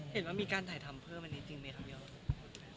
เห็นว่ามีการถ่ายทำเพิ่มอันนี้จริงไหมครับพี่โอ